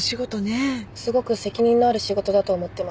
すごく責任のある仕事だと思ってます。